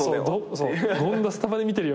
「権田スタバで見てるよ」